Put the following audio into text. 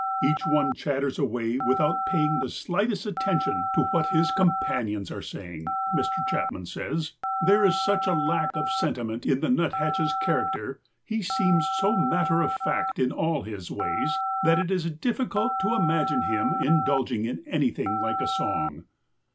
"Each one chatters away without paying the slightest attention to what his companions are saying." Mr. Chapman says: "There is such a lack of sentiment in the nuthatch's character, he seems so matter of fact in all his ways, that it is difficult to imagine him indulging in anything like a song."